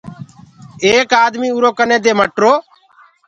ايڪ آدميٚ اُرو ڪني دي مٽرو۔